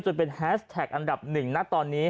จนเป็นแฮสแท็กอันดับหนึ่งนะตอนนี้